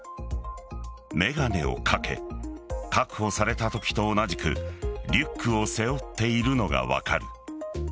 眼鏡をかけ確保されたときと同じくリュックを背負っているのが分かる。